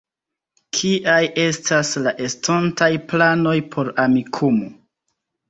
Kiaj estas la estontaj planoj por Amikumu?